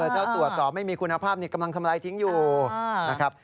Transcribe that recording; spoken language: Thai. ถ้าตรวจสอบไม่มีคุณภาพกำลังทำลายทิ้งอยู่นะครับ